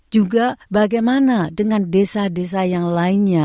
juga bagaimana dengan desa desa yang lainnya